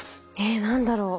え何だろう？